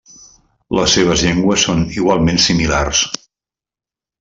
Les seves llengües són igualment similars.